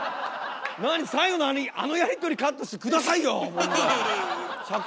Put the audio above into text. なに最後のあのやり取りカットして下さいよ問題！